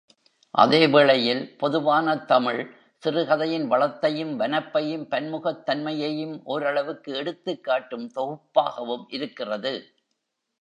அதே வேளையில், பொதுவானத் தமிழ் சிறுகதையின் வளத்தையும், வனப்பையும் பன்முகத் தன்மையும் ஓரளவுக்கு எடுத்துக்காட்டும் தொகுப்பாகவும் இருக்கிறது.